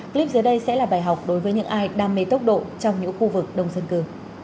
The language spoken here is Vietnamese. clip dưới đây sẽ là bài học đối với những ai đam mê tốc độ trong những khu vực đông dân cư